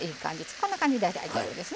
こんな感じで大丈夫ですね。